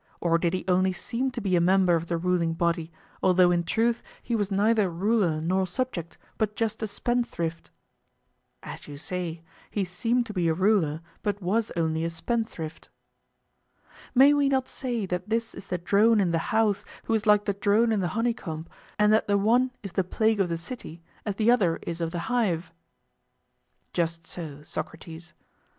Or did he only seem to be a member of the ruling body, although in truth he was neither ruler nor subject, but just a spendthrift? As you say, he seemed to be a ruler, but was only a spendthrift. May we not say that this is the drone in the house who is like the drone in the honeycomb, and that the one is the plague of the city as the other is of the hive? Just so, Socrates.